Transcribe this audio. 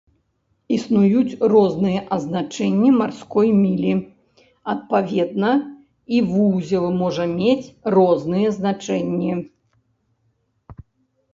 Існуюць розныя азначэнні марской мілі, адпаведна, і вузел можа мець розныя значэнні.